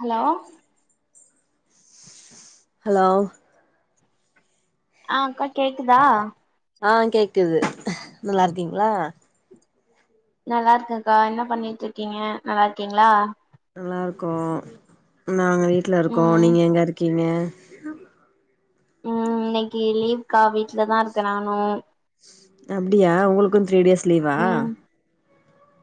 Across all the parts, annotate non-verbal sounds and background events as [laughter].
Hello hello ஆ அக்கா கேக்குதா ஆ கேக்குது நல்லாருக்கீங்ளா நல்லாருக்கக்கா என்ன பண்ணிட்ருக்கீங்க நல்லா இருக்கீங்ளா நல்லாருக்கோ நாங்க வீட்ல இருக்கோ ம் நீங்க எங்கருக்கீங்க ம் இன்னைக்கு லீவ்கா வீட்ல தாருக்க நானு அப்டியா உங்களுக்கு த்ரீ டேஸ் லீவா ஆ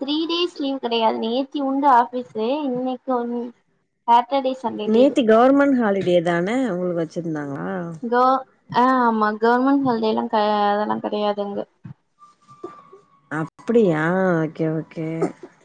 த்ரீ டேஸ் லீவ் கெடையாது நேத்தி உண்டு ஆஃபீஸ்சு இன்னைக்கு ஒன்னு சாட்டர்டேஸ் நேத்தி கவர்மெண்ட் ஹாலிடே தான உங்களுக்கு வச்சிருந்தாங்ளா தோ ஆ ஆமா கவர்மெண்ட் ஹாலிடேலா கெடையாதுங்க அப்டியா ஓகே ஓகே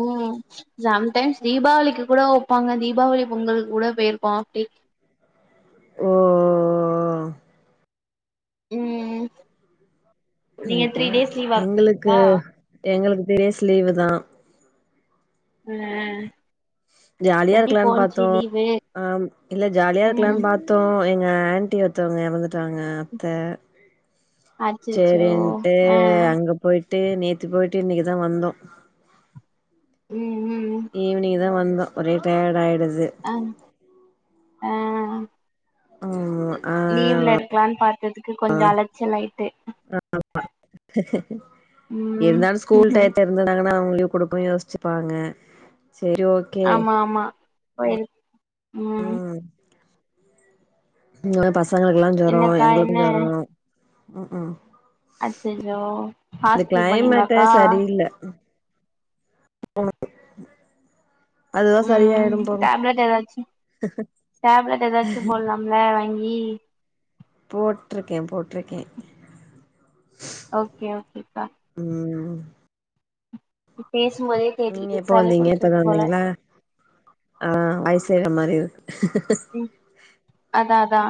ம் சம்டைம்ஸ் தீபாவளிக்கு கூட ஒப்பாங்க தீபாவளி பொங்கலு கூட பேயிருப்போ அப்டி ஓ ம் நீங்க ஓகே த்ரீ டேஸ் ஓகே லீவா எங்களுக்கு ஆ எங்களுக்கு த்ரீ டேஸ் லீவுதா ம் அ ஜாலியாருக்கலானு பாத்தோ லீவு ஆம் இல்ல ம் ஜாலியாருக்கலான்னு பாத்தோ எங்க ஆன்ட்டி ஒருத்தவங்க எறந்துட்டாங்க அத்த அச்சச்சோ சேரின்ட்டு ஆ அங்க போயிட்டு நேத்து போய்ட்டு இன்னைக்குதா வந்தோ ம் ம் ஈவினிங் தா வந்தோ ஒரே டயர்ட் ஆயிடுது அ ஆ ஆமா ஆ லீவுல இருக்கலான்னு பாத்ததுக்கு கொஞ்சோ அலைச்சல் ஆயிட்டு ஆமா ம் இருந்தாலு ஸ்கூல் டையத் இந்திருதாங்கன்னா அவ்ங்க லீவ் கொடுக்கவு யோசிச்சுப்பாங்க சேரி ஓக் ஆமா ஆமா போயிரு உம் ம் இங்க பசங்களுக்கு எல்லா ஜோரோ என்னக்கா எங்களுக்கு என்ன ஜோரோஉம் உக் கும் அச்சச்சோ இந்த ஹாஸ்பிட்டல் கிளைமேட்ட போனீங்களாக்கா சரி இல்ல உனக்கு உம் உம் டேப்லெட் ஏதாச்சு டேப்லெட் ஏதாச்சு போட்லாம்ல வாங்கி போட்டுருக்கே போட்டுருக்கே ஓகே ஓகே ப்பா உம் பேசும்போதே நீங்க தெரியுது எப்ப சளி வந்தீங்க இப்பதா புடிச்சிருக்கு போல வந்தீங்களா ஆ வையிஸ் செரியா மாரி இரு அதா அதா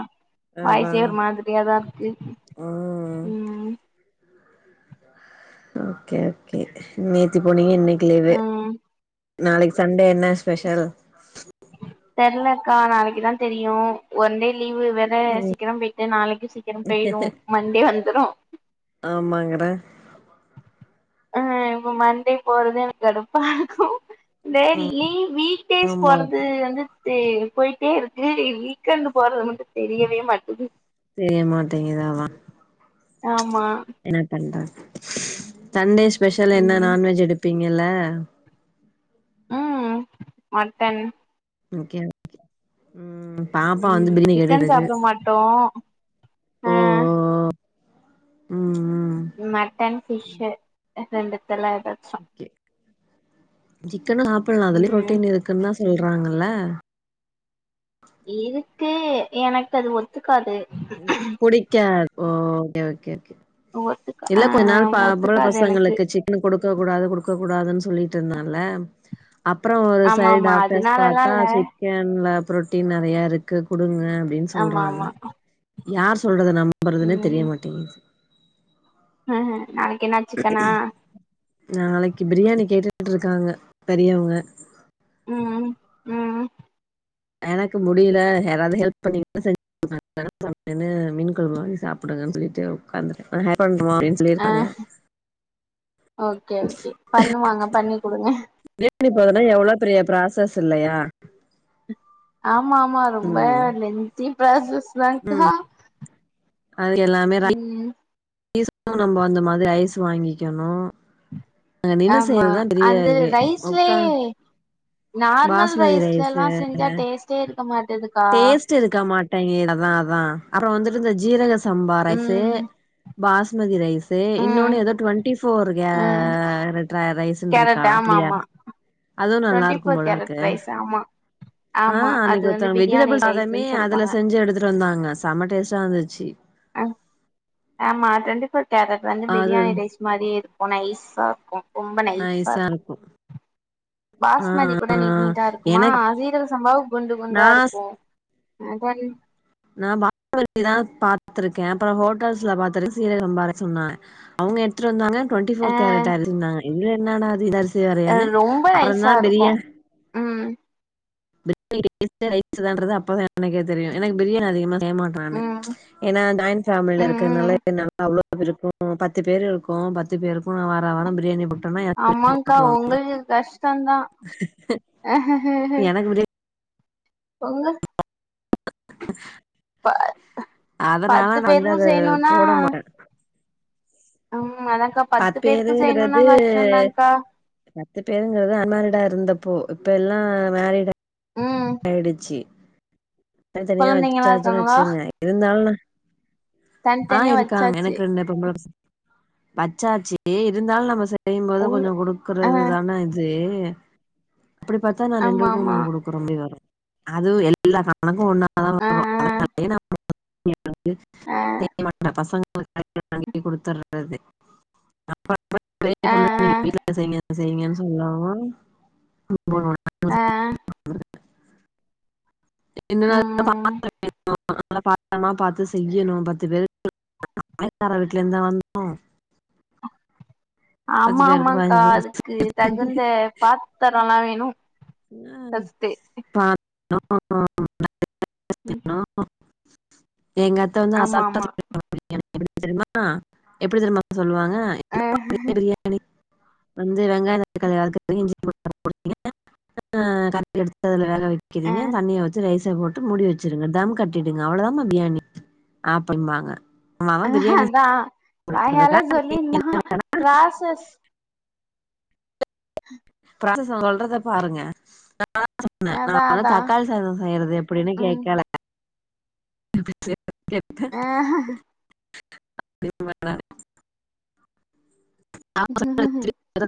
அதா வாயிசே ஒரு மாதிரியா தா இருக்கு ம் உம் ஓகே ஓகே நேத்தி போனீங்க இன்னைக்கு லீவு ம் நாளைக்கு சண் டே என்ன ஸ்பெஷல் தெர்ல்லக்கா நாளைக்கி தா தெரியு ஒன் டே லீவு வே ற சீக்கிரோ போயிட்டு நாளைக்கு சீக்கிரோ போயிடு மண் டே வந்துரு ஆமாங்கெற ஆ இப்ப மண் டே போறதே எனக்கு கடுப்பா இருக்கு டெலி லீவ் வீக் டீஸ் ஆமா போர்றது அந்து சி போயிட்டே இருக்கு வீக்கெண்ட் போறது மட்டு தெரியவே மாட்டது தெரியமாட்டேங்கு தா வா ஆமா என்ன தண்டா தண் டே ஸ்பெஷல் என்னனா ம் நான்வெஜ் எடுப்பீங்கல்ல உம் மட்டேன் ஒகே தா உம் பாப்பா வந்து ம் பிரியாணி சிக்கன் கேட்டுட்டுருக்கு சாப்ட மாட்டோ ஆ ம் ம் மட்டன் பிஷ்சு ரெண்டுத்துலா ஏதாச்சு சிக்கனு சாப்படலானு அதுலயு ம் ரொட்டீன் இருக்குன்னு தா சொல்றாங்கல்லே இருக்கு எனக்கு அது ஒத்துக்காது புடிக்காத் ஓ ஓகே ஓகே ஓத்துக் இல்ல கொஞ்சோ நாள் பா இப்ப உள்ள பசங்களுக்கு சிக்கன் கொடுக்க கூடாது கொடுக்க கூடாதுன்னு சொல்லிட்டு இருந்தால்லெ அப்றோ ஒரு ஆமா சைடு ஆமா டாக்டர்ஸ் அதனாலல்லா பாத்தா இல்ல சிக்கென்ல ஃபுரோட்டீன் நெறைய இருக்கு குடுங்க அப்டினு ஆமா சொல்றாங்க ஆமா யார் சொல்றத நம்பறதுன்னே தெரிய மாட்டேங்குது ஹ நாளைக்கி என்னாச் நாளைக்கி பிரியாணி கேட்டுட்டு இருக்காங்க பெரியவங்க உ உம் உ உம் எனக்கு முடியில்ல யாராது ஹெல்ப் பண்ணீங்கன்ன செஞ் [unintelligible] நின்னு மீன் குழம்பு மாரி சாப்டுங்கன்னு சொல்லிட்டு உட்காந்து இருக்க [unintelligible] பண்றோ அ சொல்லி ஆ இருப்பாங்க ஓகே ஓகே பண்ணுவாங்க பண்ணி குடுங்க [unintelligible] போததுன்னா எவ்ளோ பெரிய ஃப்ராசஸ் இல்லையா ஆமா ஆமா ரொம்ப ம் லென்தி ஃப்ராசஸ் தான்க்கா அதுங்க எல்லாமே வேலெக் ம் ஸ் கு நம்ம அந்த மாரி ஐஸ் வாங்கிக்கணு அங்க நின்னு ஆமா செய்யறதுதா பெரிய அந்த இதுவே ரைஸ்லே உக்கா நார்மல் பாஸ்மதி ரைஸு ரைஸ்லல்லா செஞ்சா டேஸ்ட்டே இருக்க மாட்டதுக்கா ட்டு இருக்க மாட்டேங்கதா அதா அப்பற வந்துட்டு இந்த ஜீரக சம்பா ரைசு ம் பாஸ்மதி ரைஸ் இது ம் இன்னொன்னு ஏதோ டுவெண்டி போர் கே ம் ரைஸ்னுருக்கா கேரட் ஆமா அப்படியா ஆமா அது டுவெண்ட்டி நல்லாருக்கும் ஃபோர் போலருக்க கேரட் ரைஸ் ஆமா ஆ ஆமா அது வந்து அன்னைக்குத்த பிரியாணி வெஜிடபிள் சாதமே ரைஸ்ன்னு சொல்லுவாங்க அதுல செஞ்சு எடுத்துட்டு வந்தாங்க செம்ம டேஸ்ட்டா இருந்துச்சு ஆ ஆம்மா டொண்டிபோர்கேரட் அ வந்து அது பிரியாணி ரைஸ் மாரியே இருக்கு நைஸா இருக்கு ரொம்ப நைஸா இருக்கு ஓ பாஸ்மதி கூட நீட் நீட்டா இருக்குமா எனக்கு சீரக சம்பாவு குண்டு குண்டா நா இருக்கு ஆ தல் நா பா தா பாத்திருக்கே அப்பற ஹோட்டல்ஸ்ல பாத்திருக்கே சீரக சம்பாவ சொன்னே அவங்க எடுத்துட்டு வந்தாங்க டொண்டி ஆ போர் கேரட் அரிசின்னாங்க இதுல என்னடாது இது அரிஸ் ரொம்ப நைஸா இருக்கு ம் [inaudible] அப்பதா எனக்கே தெரியு எனக்கு பிரியாணி அதிகமா செய்மாட்ட நானு ம் ஏன்னா ஜாயின் ஃபேமிலி ம் இருக்கறனால ம் என்ன அவ்ளோ இருக்கு பத்து பேரு இருக்கு பத்து பேருக்கு நா வாரா வாரா பிரியாணி ஆமாக்கா போட் உங்களுக்கு கஷ்டந்தா [unintelligible] எனக்கு பிரியாணி பொங்கல் ப அதனால பத்து நா வந்து பேருக்கு அத செய்யணுன்னா போட மாட்டே ம் அதாக்கா பத்து பேருக்கு செய்யணும்னா கஷ்டந்தாங்க்கா பத்து பேருங்கறது அன்மேரிடா இருந்தப்போ இப்ப எல்லா மேரிடு ம் ஆயிடுச்சு தனி தனியா கொழந்தைங்கல்லா வச்சாச்சுன்னு இருக்காங்களா வச்சுக்ங்க இருந்தாலு ஆ தனித்தனியா இருக்காங்க வச்சாச்சு எனக்கு ரெண்டு பொம்பல பசங்க பச்சாச்சி இருந்தாலு நம்ம செய்யும்போது உங் கொஞ்ச குடுக் ஆ பாக்குறது தான இது அப்படி பாத்தா நா ஆமா ரெண்டுக்கு நா ஆமா குடுக்குரோம்ல அதுவு எல்லா கணக்கு ஒன்னா [inaudible] ஆ அதனால ஆ செய்யமாட்ட பசங்க [inaudible] வாங்கி குடுத்துறது [inaudible] ஆ ஆ வீட்ல செய்ங்கன்னு சொல்லுவாங்கோ [inaudible] ஆ என்ன ம் [inaudible] அதல்லா பாத்ரமா பாத்து செய்யணு பத்து பேருக்கார வீட்டுல இருந்தா வந்தோ பத்து ஆமா பேருக்கு ஆமாங்க்கா பதினஞ்சு அதுக்கு தகுந்த பாத்தரம்ல்லா வேணு சஸ்தே [inaudible] ம் ஆன எங்கத்த வந்து ஆமா அசால்ட்டா ஆமா [unintelligible] தெரியுமா எப்டி தெரியுமா சொல்லுவாங்க ஆ [unintelligible] வந்து வெங்காய தக்காளி வதக்குவிங்க இஞ்சி பூண்டு [unintelligible] எடுத்ததுல வேக ஆ வைக்கிறீங்க தண்ணிய வச்சு ரைஸை போட் முடி வச்சிருங்க தம் கட்டிடுங்க அவ்வளோதாம்மா பிரியாணி ஆ பண்ணுவாங்க அதா சொல்றதுக்கா வாயால சொல்லிரலா ப்ராசஸ் ப்ராசஸ் சொல்றத பாருங்க அ நா சொன்னே நா அதா வந்து அதா தக்காளி சாதோ செய்யறது எப்டின்னு ம் கேட்கல ஆ [unintelligible]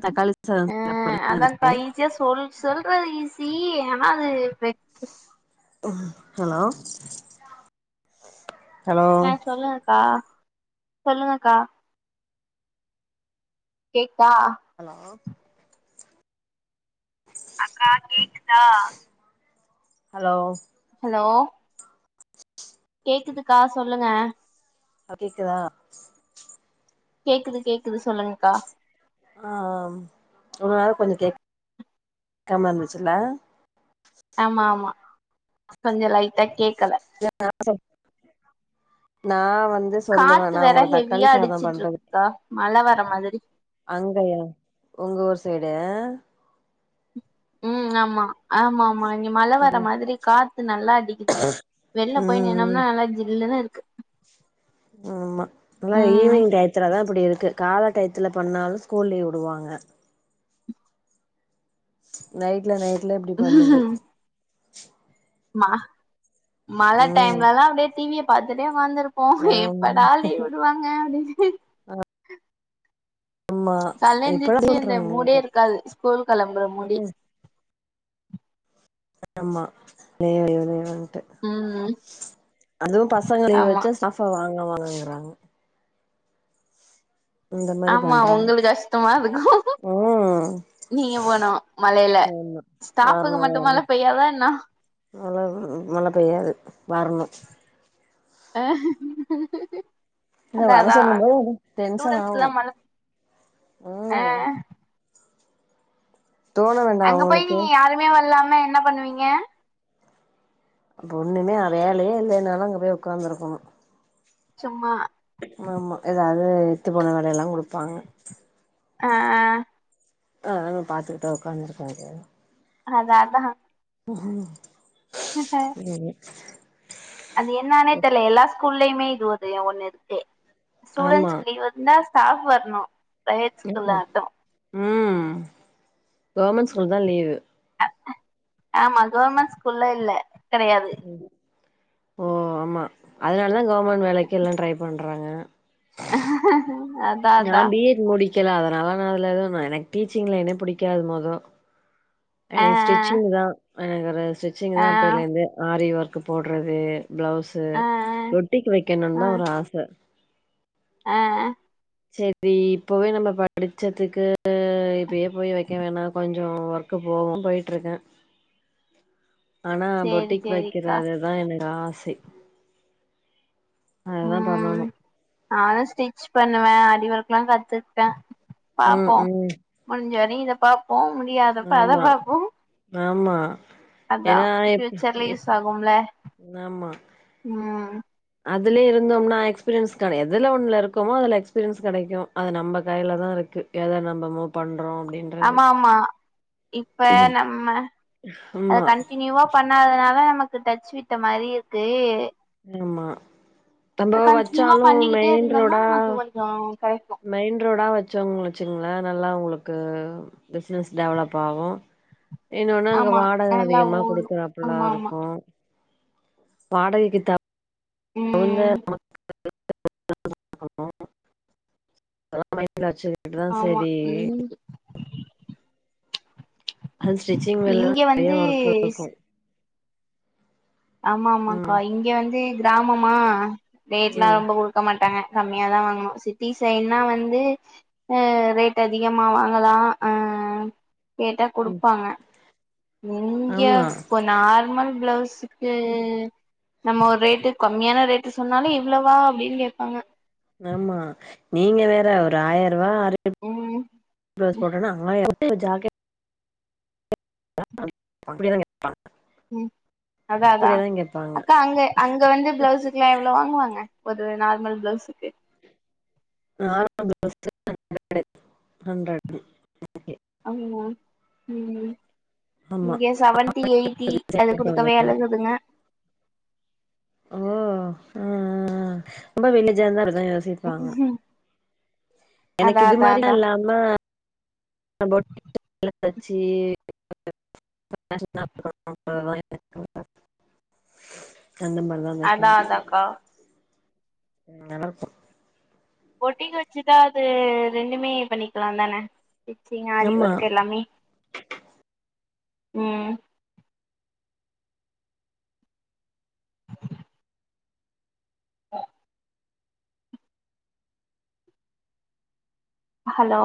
தக்காளி சாதம் ஆ செய்யறது அதா இருக்கு தயி சொ சொல்றது ஈஸி ஏன்னா அது ஹலோ ஹலோ ஆ சொல்லுங்கக்கா சொல்லுங்கக்கா கேக்தா ஹலோ கா கேக்குதா ஹலோ ஹலோ கேக்குதுக்கா சொல்லுங்க கேக்குதா கேக்குது கேக்குது சொல்லுங்க்கா ஆ இவ்ளோ நேரோ கொஞ் கே கேட்காம இருந்துச்சுல்லா ஆமா ஆமா கொஞ்ச லைட்டா கேக்கல [unintelligible] நா வந்து சொல்லுவே காத்து நா வேற உங்கள தக்காளி ஹெவியா சாதோ அடிச்சிட்டு பண்றது இருக்குக்கா மழ வர மாதிரி அங்கயா உங்க ஊர் சைடு ம் ஆமா ஆமா ஆமா இங்க மழ வர ம் மாதிரி காத்து நல்லா அடிக்குது வெளில போய் ம் நின்னோம்னா நல்லா ஜில்லுனுு இருக்கு ஆமா இதுலா ம் ஈவினிங் டையத்துலதா இப்டி இருக்கு கால்ல டையத்துல பண்ணாலு ஸ்கூல் லீவு வுடுவாங்க நைட்ல நைட்ல இப்டி பண்ணுது மழ மழ ம் டைம்லலா அப்டியே டிவிய பாத்துட்டே உக்கார்ந்துருப் போ ஆமா எப்படா லீவ் விடுவாங்க அப்டின்னு ஆமா கால்ல இப்பல்லா எந்திருச்சு இந்த பண்றாங்க மூடே இருக்காது ஸ்கூல் கெளம்புற மூடே ம் ஆமா [unintelligible] ம் அதுவு பசங்களையு ஆமா வெச்சா ஸ்டாஃப வாங்க வாங்கங்கிறாங்க இந்த மாரி ஆமா பண்றாங்க உங்களுக்கு கஷ்டமா இருக்கு ம் நீங்க போனு மழைல ஆமா ஸ்டாப்புக்கு வரணு மட்டு மழ வரணு பெய்யாதா என்ன [unintelligible] மழ பெய்யாது வரணு ஆஹ இல்ல வர அதாதா சொல்லும் போது எனக்கு டென்ஷன் ஸ்டூட்ஸ்ல்லா ஆகு மழ ஆ ம் தோண வேண்டா அங்க போய் அவங்களுக்கு நீங்க யாருமே வரலான்ன என்ன பண்ணுவீங்க அப்ப ஒண்ணுமே வேலையே இல்லனாலு அங்க போய் உக்காந்துருக்கணு சும்மா ஆமா ஏதாவது இத்துப்போன வேலை எல்லா குடுப்பாங்க ஆ ஆ ஆன்னு பாத்துட்டு உக்காந்துருக்க வேண்டியதா அதா அதா ஆஹ [unintelligible] ஹ [unintelligible] ம் அது என்னானே தெர்ல எல்லா ஸ்கூல்லயுமே இது ஒரு ஒன்னு இருக்கு ஆமா ஸ்டூடென்ஸ்கு லீவ் வ ந்தா ஸ்டாஃப் வரணு பிரைவேட் ஸ்கூல்ல மட்டு ம் கவர்மெண்ட் ஸ்கூல் தா லீவு ஆமா கவர்மெண்ட் ஸ்கூல்ல இல்ல கெடையாது ஓ ஆமா அதனால தா கவர்மெண்ட் வேலைக்கு எல்லா ட்ரை பண்றாங்க ஹ ஹஹ நா பி எட் முடிக்கல அதுனால நா அதுல எதுவு எனக்கு டீச்சிங் லைனே எனக்கு பிடிக்காது மொத ஆ எனக்கு ஸ்டிச்சிங் தா எனக்கு ஸ்டிச்சிங் ஆ தா அப்பயலேருந்து ஆரி ஒர்க் போடுறது பிளவுஸு ஆ பொட்டிக்கு வைக்கணுனு ஆ தா ஆ ஒரு ஆசை ஆ செரி இப்பவே நம்ம படிச்சதுக்கு இப்பயே போய் வைக்க வேணா கொஞ்சோ ஒர்க் க்கு போவோ போயிட்டு இருக்கே [inaudible] ஆனா சேரி பொட்டிக்கு சேரிக்கா வைக்கறதுதா எனக்கு ஆசை அதுதா ம் பண்ணணு நானு ஸ்டிச் பண்ணுவே அடி ஒர்க்ல்லா கத்துக்ட்டே ம் பாப்போம் ம் முடிஞ்ச வரையு இத பாப்போ முடியாதப்ப அத ஆமா பாப்போ ஆமா அதா ஏன்னா இப் ஃப்யூச்சர்ல இப் யூஸ் ஆகும்ல ஆமா ம் அதுலயே இருந்தோம்னா எக்ஸ்பீரியன்ஸ் கிடையாது எதுல ஒண்ணல இருக்கோமோ அதுல எக்ஸ்பீரியன்ஸ் கிடைக்கு அது நம்ம கைலதா இருக்கு எத நம்ப மூவ் பண்றோ அப்டின்னு ஆமா ஆமா இப்ப நம்ம அத ஆமா கண்டினியூவா பண்ணாதனால நமக்கு டச் விட்ட மாரி இருக்கு ஆமா நம்ப வச்சாலு மெயின் ரோடா ஆ கெடைக்கு மெயின் ரோடா வச்சோங்கள வச்சுகுங்களே நல்லா உங்களுக்கு பிஸ்னஸ் டெவலப் ஆகு என்னொன்னு அங்க ஆமா வாடகை நல்லா அதிகமா ஓடு குடுக்குறாப்பல ஆமா ஆமா இருக்கு வாடகைக்கு த கொளுந்த [inaudible] ம் அதெல்லா இப்பலா வச்சதுக்கிட்டுதா ஆமா சரி இங் அது ஸ்டிச்சிங்லெல்லா இங்க நிறைய ஒர்க் வந்து இருக்கு ஆமா ஆமாக்கா ம் இங்க வந்து கிராமமா ரேட்லா ம் ரொம்ப குடு க்க மாட்டாங்க கம்மியாதா வாங்கணு சிட்டி சைட்னா வந்து அ ரேட் அதிகமா வாங்கலா அ கேட்டா ம் குடுப்பாங்க இங்க ஆமா இப்ப நார்மல் பிளவுஸ் ஹ நம்ம ஒரு ரேட்டு கம்மியான ரேட்டு சொன்னாலு இவ்ளோவா அப்டின்னு கேப்பாங்க ஆமா நீங்க வேற ஒரு ஆயரூவா ம் [inaudible] ப்ளவுஸ் போட்டேனா ஆயிரூபாய்க்கு ஜாக்கெட் [inaudible] அப்டிதாங்க ம் அதா அதா கேப்பாங்க அக்கா அங்க அங்க வந்து பிளவுஸு ல்லா எவ்ளோ வாங்குவாங்க ஒரு நார்மல் பிளவுஸுக்கு நார்ம [inaudible] ஹன்ர [inaudible] அம்மா ம் ஆமா இங்க சவன்டி எய்ட்டி அது கேப்பாங்க குடுக்கவே அந்த மாரி. அழுகுதுங்க ஓ ஆ ஆ ஆ ரொம்ப வில்லேஜா இருந்தா அப்டிதா யோசி ப்பாங்க அதா எனக்கு இது அதா அதா மாரில்லா இல்லாம போடிக் எல்லா வெச்சு [inaudible] [inaudible] அந்த மா அதா வெக்கணு ம் நல்லாருக்கு. பொட்டீக் வெச்சுட்டா அது ரெண்டுமே பண்ணிக்கலாந் தான. டிச்சிங் ஆரி ஆமா ஒர்க் எல்லாமே ம். ஹலோ?